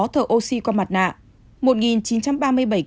thợ ocd qua mặt nạ một chín trăm ba mươi bảy ca